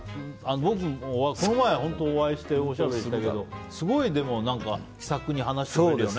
僕もこの前、お会いしておしゃべりしましたけどすごい気さくに話してくれるよね。